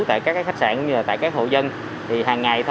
tại các khách sạn tại các hộ dân